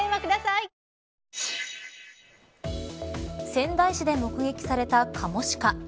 仙台市で目撃されたカモシカ。